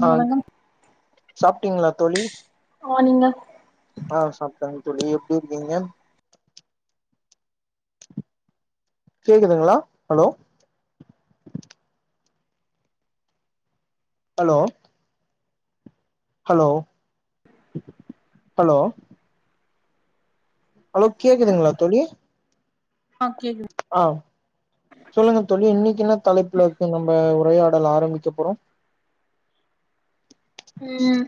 ம் ஆஹ் வணக்கம் சாப்பிட்டீங்களா தோழி ஆ நீங்க ஆஹ் சாப்பன் தளி எப்படி இருக்கீங்க கேக்குதுங்களா hello hello hello hello hello கேக்குதுங்களா தோலி ஆ கேக்குது. ஆஹ் சொல்லுங்க தழி இன்னைக்கு என்ன தலைப்புல இருக்கு நம்ம ஒரையாட உடல் ஆரம்பிக்க போறோம் உம்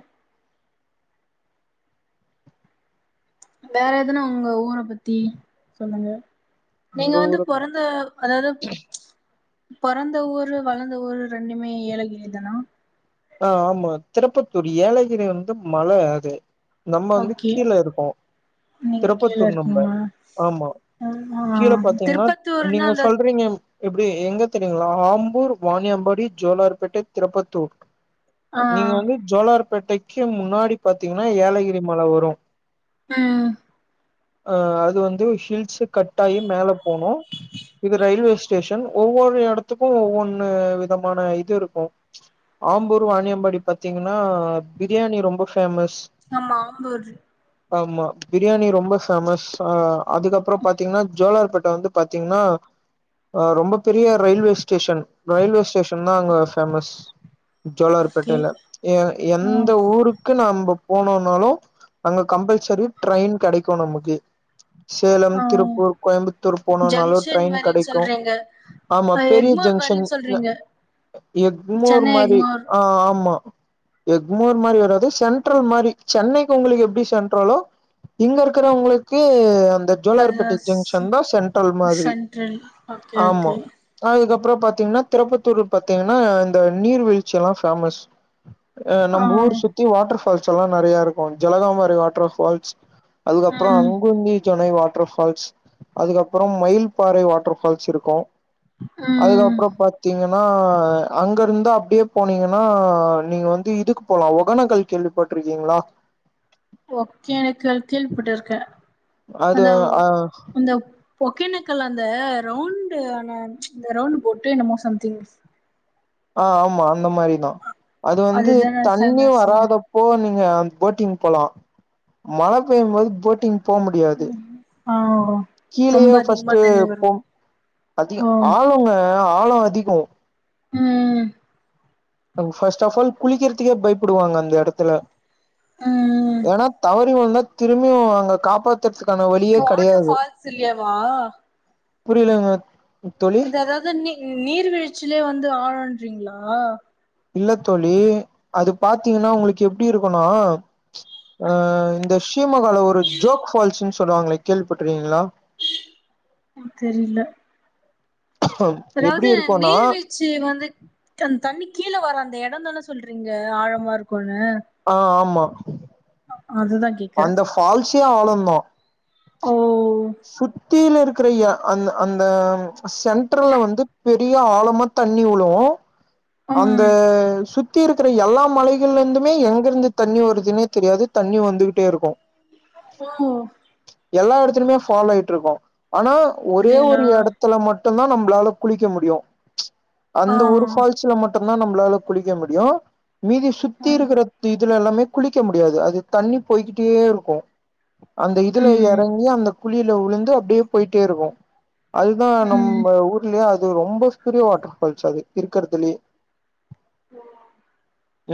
வேற எதுனா உங்க ஊரை பத்தி சொல்லுங்க நீங்க எங்க வந்து ஊரு பிறந்த அதாவது பிறந்த ஊரு வளர்ந்த ஊரு ரெண்டுமே ஏலக தனா ஆஹ் ஆமா திருப்பத்தூர் ஏலகிரி வந்து மழை அது நம்ம வந்து ஓகே கீழே இருக்கோம் நீங்க கீழ திருப்பத்தூர் நம்ம இருக்கீங்களா ஆமா ஆ கீழே பாாரத்தீங்கன்னா திருப்பத்தூர்னா நீங்க அந்த சொல்றீங்க எப்படி எங்க தெரியுங்களா ஆம்பூர் வாணியாம்பாடி ஜோலார்பேட்டை திருப்பத்தூர் ஆ நீங்க வந்து ஜலர் ப்பேட்டைக்கு முன்னாடி பாாரத்தீங்கன்னா ஏலகிரி மலை வரும் உஹம் அஹ் அது வந்து ஹில்ஸ் கட் ஆகி மேல போனும் இது ரயில்வே ஸ்டேஷன் ஒவ்வொரு இடத்துக்கும் ஒவ்வொன்னு விதமான இது இருக்கும் ஆம்பூர் வாணியம்பாடி பாார்த்தீங்கன்னா பிரியாணி ரொம்ப பேஃபேமஸ் ஆமாம்பூர் ஆமா பிரியாணி ரொம்ப ஃபேமஸ் அதுக்கப்புறம் பாத்தீங்கன்னா ஜோாளார்பட்டி வந்து பாத்தீங்கன்னா ரொம்ப பெரிய ரயில்வே ஸ்டேஷன் ரயில்வே ஸ்டேஷன் தான் அங்க ேமஸ் ஓகே ஜோலார்பேட்டையில ஏ ஆ எந்த ஊருக்கு நம போனோனாலும் அங்க கம்பல்சரி ட்ரெயின் கிடைக்கும் நமக்கு சேலம் ஆ திருப்பூர் கோயம்புத்தூர் போனோம்னாலும் ஜங்ஷன் ட்ரெயின் மாரின்னு கிடைக்கும் சொல்றீங்க ஆமா அ பெரிய எக்மோர் ஜங்ஷன் மாரின்னு சொல்றீங்க எக்மோர் சென்னை மாதிரி எக்மோர் ஆஹ் ஆமா எக்மோர் மாரி வராது சென்ட்ரல் மாரி சென்னைக்கு உங்களுக்கு எப்படி சென்ட்ரலோ இங்க இருக்கிறவங்களுக்கு அந்த அந்த அது ஜோலார்பட்டி ஜங்ஷன் தான் சென்ட்ரல் மாதிரி சென்ட்ரல் ஓகே ஆமா ஓகே அதுக்கப்புற அப்புறோ பாத்தீங்கன்னா திருப்பத்தூர் பாத்தீங்கன்னா இந்த நீர்வீழ் ச்சில்லா ஃபேமஸ் அஹ் ஆ நம்ம ஊர் சுத்தி வாட்டர் ஃபால்ஸ் ல்லா நெறைய இருக்கும் ஜலகாமாரி வாட்டர் ஃபால்ஸ் அதுக்கப்புறோ ம் அங்குந்தி ஜோனை வாட் வாட்டர் ஃபால்ஸ் அதுக்கப்புறோ மயில்பாறை வாட்டர் ஃபால்ஸ் இருக்கும் ம் அதுக்கப்புறோ பாத்தீங்க ஆ அங்க இருந்த அப்படியே போனீங்கன்னா நீங்க வந்து இதுக்கு போலா ஒகனக்கல் கேள்விப்பட்டிருக்கீங்களா ஒகனக்கல் கேள்விப்பட்டு இருக்கேன் அது அஹ் ஓக்கேனக்கல்ல அந்த ரவுண்டு ஆன ச்சு இந்த ரவுண்ட் போட்டு என்னமோ சம்திங் ஆஹ் ஆமா இந்தந்த மாரி தான் அது வந்து அதுதான தண்ணி ஃபேமஸ் வராதப்போ நீ ஆ போட்டிங் போலா மழ பெய்யும் போது போட்டிங் போ முடியாது ஆ ரொம்ப கீழேயே அதிகமா ஃபர்ஸ்ட்டு தண்ணி வரு போம் அதியம் ஓ ஆழங்க ஆ ஆழம் அதிகம் உம் ஃபர்ஸ்ட் ஆஃப் ஆல் குளிக்கிறதுக்கே பயப்படுவாங்க அந்த இடத்துல ம் ஏனா தவ தவறி விழுந்த திரும்பியும் அங்க காப் வாட்டர் ஃபால்ஸ் இல்லைய வா புரியலங்க தோழி அது அதாவது நீ நீர் வீழ்ச்சிலே வந்து ஆழம் கிறிங்களா இல்லத்தோழி அது பாத்தீங்கன்னா உங்களுக்கு எப்படி இருக்கும் னா ச்சு அஹ் இந்த [unintelligible] ஒரு ஜோக் ஃபால்ஸ்னு சொல்லுவாங்களே கேள்வி பட்டுறீங்களா தெரியல எப்டி அதாவது இருக்குன்னா நீர் வீழ்ச்சி வந்து அ தண்ணி கீழ வரா அந்த இடம்தான சொல்றீங்க ஆழமா இருக்கும் ஆ ஆமா அதுதா கேக்குறே அந்த ஃபால்ஸ்சே ஆனோந்தோ ஓ கீழ இருக்கறயா அந்த அந்த சென்டர்ல வந்து பெரிய ஆழமா தண்ணி உழுவோ அந்த ம் சு சுத்தி இருக்கற எல்லா மலைகள்ல இந்துமே எங்க இருந்து தண்ணி வருதுனே தெரியாது தண்ணி வந்துகிட்டே இருக்கோ ஓ எல்லா எடத்துலுமே ஃபால் ஆயிட் இருக்கோ ஆனா ஒரே அப்டிங்களா ஒரு எடத்துல மட் டந்தா நம்ளால குளிக்க முடியோ ச்ச ஆ அந்த ஒரு ஃபால் ல மட்டுந்தா நம்ளால குளிக்க முடியு மீதி சுத்தி ம் இருக்கற தி இதுல எல்லாமே குளிக்க முடியாது அது தண்ணி போய்கிட்டே இருக்கோ அந்த இதுல ம் இறங்கி அந்த குழியல உளுந்து அப்டே போயிட்டே இருக்கோ அதுதா ம் நம்ம ஊர்லேயே அ இது ரொம்ப பெரிய வாட்டர் ஃபால்ஸ் அது கற்துலே ஆ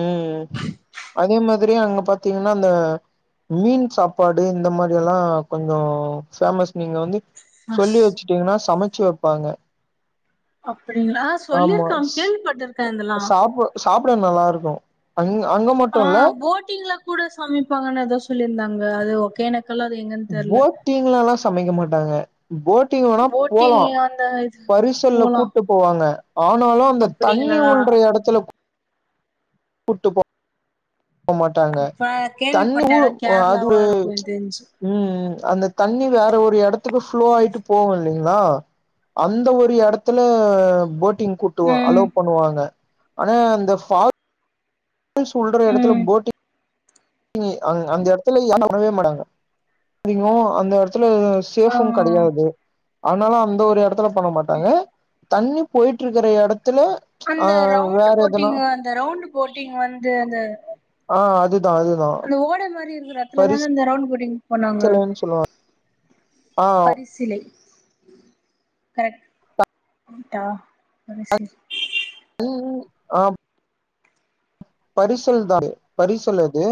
உம் அதே மாதிரி அங்க பாத்தீங்கன்னா அந்த மீன் சாப்பாடு இந்த மாரி எல்லா கொஞ்சோ ஃபேமஸ் நீங்க வந்து அஸ் சொல்லி வச்சுடீங்னா சமை ச்சு வெப்பாங்க அப்டிங்ளா சொல்லி இருக்கா கேள்விப்பட்டு சாப்பு சாப் கூட நல்லா இருக்கோ அங் அங்க மட்டு ஆ இல்ல போட்டில கூட சமைப்பாங்கனு ஏதோ சொல்லிருந்தாங்க அதுவோ கேனக் போட்டிங்லலா ச சமைக்க மாட்டாங்க போட்டிங் வேணா போட்டிங் போலா அந்த இது பரிசல்ல போலா கூட்டு போவாங்க ஆனாலோ அந்த அப்டிங்களா தண்ணி உல்ற எடத்துல புட்டு போ போமாட்டாங்க அப்ப தண்ணி கேள்விப்பட்ட உ எடம் அது கேரளாவா உல் இருக்கு எனக்கு தெரிஞ்சு ம் ம் அந்த தண்ணி வேற ஒரு இடத் [unintelligible] ஃபுளோ ஆயிட்டு போகு இல்லைங்களா அந்த ஒரு இடத்துல போட் [unintelligible] கூட்டுவோ ம் அலோ பண்ணுவாங்க ஆனா இந்த ஃபாம் முனு சொல்ற எடத்துல ம் போட்டிங் நீங்க அந்த எடத்துல [unintelligible] மாட்டாங்க அதிகோ அந்த எடத்துல த்துல ஆ சேஃபும் கெடையாது அதனால அந்த ஒரு எடத்துல பண்ண மாட்டாங்க தண்ணி போயிட்டு இருக்குற எடத் அந்த ரவுண்டு போட்டிங்க அந்த ரவுண்டு போட்டிங் வந்து அந்த ஆஹ் அது அந்த ஓட மாரி இருக்ற இடதுலதா இந்த ரவுண்டு போட்டிங்க போனாங்க பரிசலன்னு சொல்லுவாங்க ஆ பரிசிலை கரக்டா சரி பரிசிலை உ உ ஆ பரிசல் தா பரிசல் அது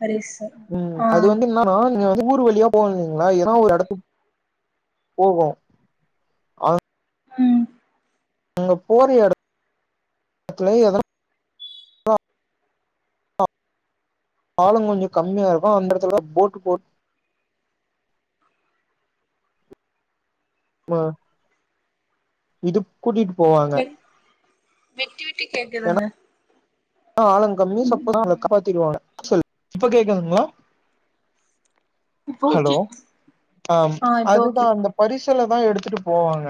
பரிசு உம் ஆ அது வந்து என்னன்னா நீங்க வந்து ஊர் வழியா போவோ இல்லீங்களா ஏதானா ஒரு எடத்துக்கு போகோ அங் உம் அங்க போர எடுத்தல எதனா [unintelligible] ஆழோ கொஞ்சோ கம்மியா இருக்கு அந்த எடத்துல போட்டு போட் அ இடுப் கூட்டிட்டு போவாங்க விட்டி விட்டு கேக்குதுங்க ஆழம் கம்மி சப்போஸ் [inaudible] ம் காப்பாத்திடுவாங்க சொல் இப்ப கேக்துங்களா இப்ப ஹலோ ஓகே அ ஆ இப்ப அதுதா ஓகே அந்த பரிச் தில்ல தான் எடுத்துட்டு போவாங்க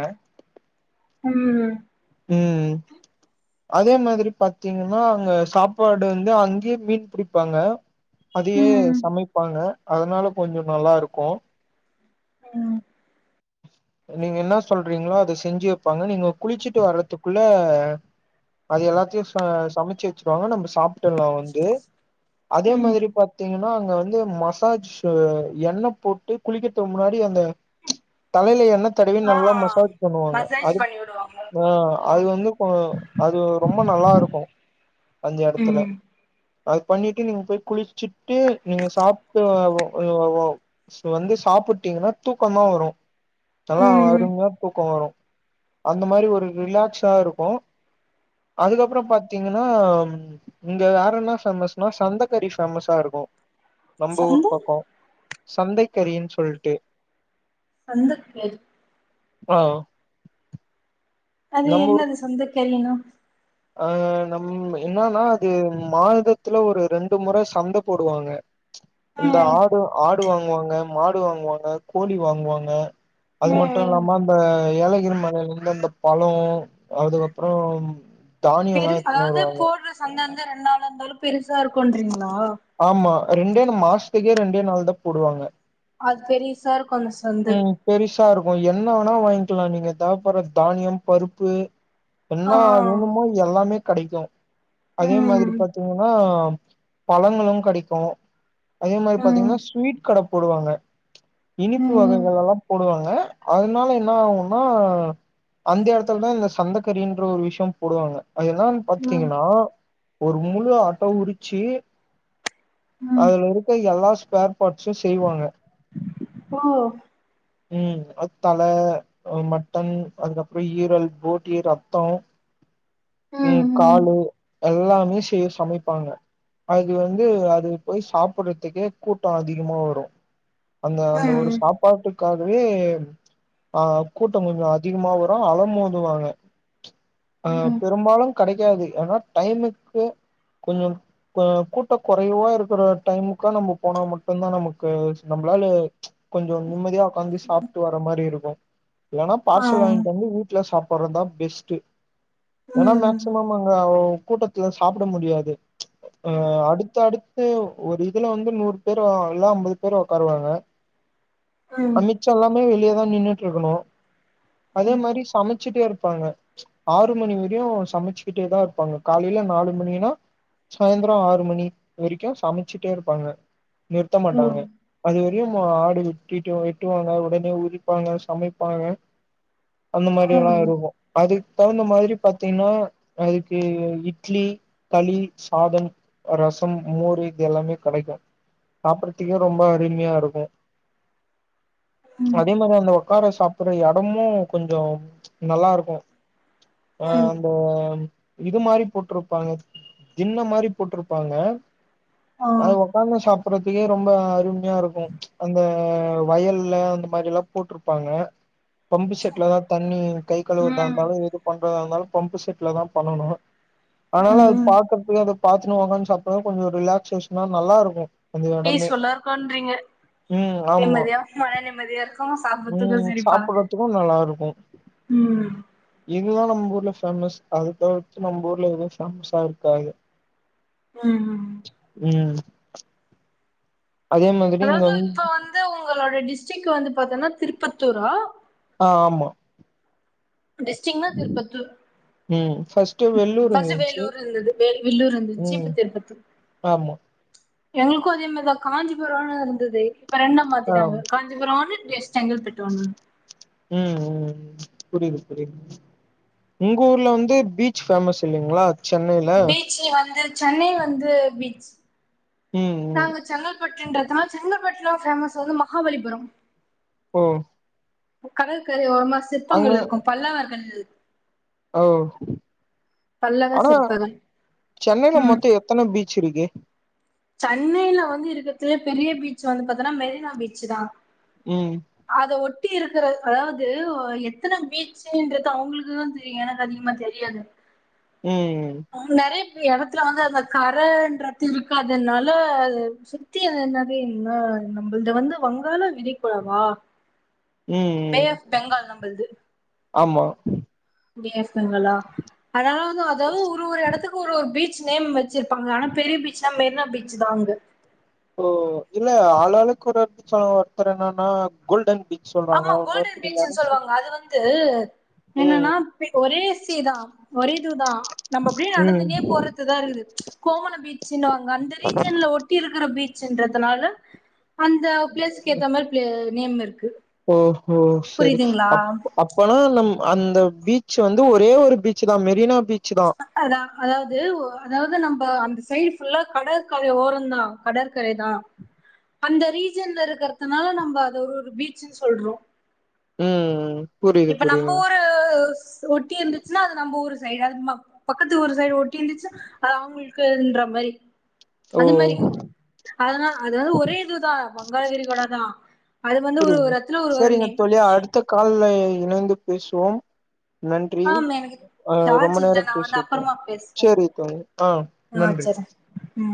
உம் உம் அதே மாதிரி பாத்தீங்கன்னா அங்க சாப்பாடு வந்து அங்கேயே மீன் பிடிப்பாங்க அதயே ம் சமைப்பாங்க அதனால கொஞ்சோ நல்லா இருக்கோ ம் நீங்க என்ன சொல்றீங்களோ அத செஞ்சு வெப்பாங்க நீங்க குளிச்சுட்டு வர்றதுக்குள்ள அது எல்லாத்தையும் ச சமைச்சு வச்சருவாங்க நம்ம சாப் டுலாம் வந்து அதே ம் மாதிரி பாத்தீங்கன்னா அ ங்க வந்து மசாஜ் சோ எண்ணெய் போட்டு குளிக்கதுக்கு முன்னாடி அந்த தலையில எண்ணெய் தடவி ஆ நல்லா மசாஜ் பண்ணுவாங்க மசாஜ் அது பண்ணி விடுவாங்க ஆ அது வந்து கொ அது ரொம்ப நல்லாருக்கு அந்த எடத்துல ம் அது பண்ணிட்டு நீங்க போய் குளிச்சிட்டு நீங்க சாப்ட்டு வ வ வ வந்து சாப்ட்டிங்கன்னா தூக்கந்தா வரு நல்லா ம் அருமையா தூக்க வரு அந்த மாரி ஒரு ரிலாக்ஸா இருக்கு அதுக்குப்பற பாத்திங்க ன இங்க வேற என்ன ஃபேமஸ்னா சந்தக்கறி ஃபேமஸா இருக்கு நம்ப ஊர் சந்த பக்கோ சந்தைக்கறின் சொல்ட்டு சந்தக்கறி ஆ அது என்னது சந்த கறினா அ நம் என்னன்னா அது மாதத்துல ஒரு ரெண்டு முற சந்த போடுவாங்க இந்த ம் ஆடு ஆ டு வாங்குவாங்க மாடு வாங்குவாங்க கோழி வாங்குவாங்க அது மட்டு ம் இல்லாம அந்த எலை நீர் மலைல இருந்து அந்த பழ அதுக்கப்றம் பெருசு அதாது போடுற சந்த ரெண்டு நாள் இருந்தாலு பெருசா இருக்குன்றிங்க ஆமா ரெண்டேன்னு மாச த்துக்கே ரெண்டே நாள்தா போடுவாங்க அது பெரிசாருக் அந்த சந்து சாருக்கு என்ன வேணா வாங்கிக்கலா நீங்க தேவப்பற தானியம் பருப்பு ஆ என்னா வோணுமோ எல்லாமே கெடைக்கு அதே மாரி ம் பாத்திங்கன்னா பழங்களு கெடைக்கு அதே மாரி ம் பாத்திங்னா ஸ்வீட் கட போடுவாங்க இனிப் ப்பு ம் வகைகளெலா போடுவாங்க அதனால என்ன ஆகுன்னா அந்த எடத்துலதா இந்த சந்தக்கறின்ற ஒரு விஷயம் போடுவாங்க அது என்னான் ம் பாத்துட்டிங்கனா ஒரு முழு ஆட்ட உறிச்சி ம் அதுல இருக்க எல்லா ஸ்பேர் பாட்ஸ் செய்வாங்க ஓ உஹம் தலை மட்டன் அதுக்கப்புறம் ஈரல் போட்டி ரத்தோம் ம் உம் ம் காலு எல்லாமே செய் சமைப்பாங்க அது வந்து அது போய் சாப்பிடுறதுக்கே கூட்டம் அதிகமா வரும் அந்த அந்த ம் ஒருஸ் ட்டுக்காகவே ஆஹ் கூட்டம் கொஞ்சம் அதிகமா வரும் அல மோதுவாங்க அஹ் ம் பெரும்பாலு கிடைக்காது ஏன்னா டைமுக்கு கொஞ்சம் கொஞ் கூட்டம் குறைவா இருக்கிற டைமுக்கா நம்ம போனா மட்டும்தான் நமக்கு நம்மளால கொஞ்ஜோம் நிம்மதியா உக்காந்து சாப்பிட்டு வர மாதிரி இரு ஆ இல்லன்னா ஆ பார்சல் வாங்கிட்டு வந்து ஊட்டுல சாப் ப்புறம் தான் பெஸ்ட் ஏனா ம் மேக்சிமம் அங்க‌ ஒ கூட்டத்துல சாப்பிட முடியாது அஹ் அடுத்த அடுத் ஒரு இதுல வந்து நூறு பேர் இல்ல அம்பது பேர் உடக்காருவாங்க ம் ம் அமித்ஷால்லமே வெளிய ஹா நின்னுட்டு இருக்கணும் அதே மாரி சமைச்சிட்டே இருப் இருப்பாங்க ஆறு மணி வரையும் சமைச்சுக்கிட்டே தான் இருப்பாங்க காலையில நாலு மணினா சாயந்திரம் ஆறு மணி வரைக்கும் சமைச்சிட்டே இருப்பாங்க நிறுத்த ஓ மாட்டாங்க அது ஒரு மா ஆடு கட்டிட்டு எட்டுவாங்க உடனே உதிப்பாங்க சமைப்பாங்க அந்த மாதிரி ஆ எல்லாம் இருக்கும் அது தகுந்த மாதிரி பாத்தீங்கன்னா அதுக்கு இட்லி தளி சாதம் ரசம் மோரு இது எல்லாமே கிடைக்கும் சாப்படுறதுக்க ரொம்ப அருமையா இருக்கும் ம் அதே மாதிரி அந்த உட்கார சாப்பிற இடமும் கொஞ்சம் நல்லா இருக்கும் ஆஹ் ம் அந்த இது மாரி போட்டிருப்பாங்க தின்ன மாரி போட்டிருப்பாங்க ஆ அ ஒக்கந்த சாப்ப றதுக்கே ரொம்ப அருமையா இருக்கும் அந்த ஆஹ் வயல்ல அந்த மாதிரி எல்லாம் போட்டிருப்பாங்க பம்பு செட்ல தான் தண்ணி கை கழுவுறதா ம் இருந்தாலும் எது பண்றதா இருந்தாலும் பம்ப செட்ல தான் பண்ணனும் ஆனால அது ம் பாக்குறதுக்கு அ பாத்துன்னனு ஒக்காந்து சாப்டோணா கொஞ்சம் ரிலாக்்சேஷனா நல்லா இருக்கோ ஏய் சொல்றா [unintelligible] நிம்மதியா மன நிம்மதியா இருக்கு சாப்புறதுக்கு உம் செரிப்பா சாப்படுறதுக்கும் நல்லா இருக்கோ ம் இதுதான் நம்ம ஊர்ல பேஃேமஸ் அது தவிர்த்து நம்ம ஊர்ல எதுவும் பேஃேமஸா இருக்காது ம் உம் இங்க அதாவது வந் இப்ப வந்து உங்களோட டிஸ்டரிக் வந்து பாத்தன்னா திருப்பத்தூரா ஆ ஆமா அப்ப டெஸ்டிங்க்னா திருப்பத்தூர் ம் ஃபர்ஸ்ட்டு வெள்ளூர் ஃபர்ஸ்ட் இருந்துச்சு வேலூர் இருந்தது வே வலூர் இருந்தது ம் இப்ப திருப்பத்தூர் ஆமா எங்களுக்கும் அதே மாரி தா காஞ்சிபுரம்னு இருந்துதே [unintelligible] ண்ண ஆ மாத்திட்டாங்க ம் காஞ்சிபுரம்னனு எஸ் செங்கல்பட்டு ஒன்னு ம் புரியுது புரியுது உங்க ஊர்ல வந்து பீச் பேமஸ் இல்லைங்களா சென்னையில பீச் வந்து சென்னை வந்து பீச் ம் ம் நாங்க செங்கல்பட்டுன்றத செங்கபட்டு [unintelligible] ஃபேமஸ் வந்து மகாபலிபுரம் ம் கடற்கரை ஓரமா சிற்பங்கள் இருக்கும் பல்லவர்கள் ஓ பல்லவ ஆனா சிற்பங்கள் சென்னைல ம் மொத்த எத்தன பீச் [unintelligible] சென்னையில வந்து இருக்கிறதுலயே பெரிய பீச் வந்து ப தீங்கனா மெரினா பீச் தான் ம் சுத்தி இருக்கற அதாவது எத்தன பீச்சுன்றது அவுங்களுக்குதான் தெரியும் எனக்கு அதிகமா தெரியாது உம் நெறைய எடத்துல வந்து அந்த கரன்ற திரு அதனால சுத்தி என்னது என்ன நம்மள்து வந்து வங்காள விரிக்குடாவா பே ம் ஆஃப் பெங்கால் நம் மள்து ஆமா பே ஆஃப் பெங்காலா அதாது அதா ஒரு ஒரு எடத்துக்கு ஒரு ஒரு பீச் நேம் வெச் சிருப்பாங்க ஆனா பெரிய பீச் மெரினா பீச்சுதா அங்கு ஓ இல்ல ஆளாளுக்கு ஒரு ஒரு [unintelligible] ஒருத்தர் என்னன்னா கோல்டன் பீச் சொல்றாங்க ஆமா கோல்டன் இன்னொருத்தர் பீச்சுன் எம்சி சொல்வாங்க அது வந்து ம் என்னன்னா ஒரே சீ தா ஒரே இதுதா நம்ம அப்டியே ம் நடந்துன்னே போறதுதா இருக்குது கோவள பீச்சின்னுவாங்க அந்த ரீஜியன்ல ஒட்டி இருக்குற பீச் சின்றதுனால அந்த பிளேஸுக்கு ஏத்த மாரி பிளே நேம் இருக்கு ஓ ஹோ செரி புரியுதுங்களா அ அப்பனா நம் அந்த பீச் வந்து ஒரே ஒரு பீச்தா மெரினா பீச் தான் அதா அதாவுது அதாவுது நம்ப அந்த சைடு ஃபுல்லா கடற்கரை ஓரந்தா கடற்கரைதா அந்த ரீஜியன்ல இருக்கிறதுனால நம்ப அத ஒரொரு பீச்சுன்னு சொல்றோ ம் ம் இப்ப நம்ப ஊரு ஒட்டி இருந்துச்சுன்னா அது நம்ப ஊரு சைடு அது ம பக்கத்து ஊரு சைடு ஒட்டி இருந்துச்சு அது அவங்களுக்குன்ற மாரி அது மாரி ஓ அதனா அது வந்து ஒரே இதுதா வங்காளவிரிகுடாதா புரியுது செரிங்க தோழி அடுத்த கால்லே இணைந்து பேசுவோம் நன்றி ஆமா எனக்கு ஆ ரொம்ப சார்ஜ் இல்ல நேர நா வந்து பேசிட்டோ அப்பறமா பேசுறே செரி தோழி ஆ ஆ நன்றி வச்சறே ம்